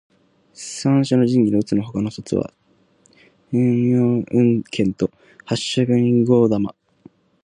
三種の神器のうつのほかの二つは天叢雲剣と八尺瓊勾玉。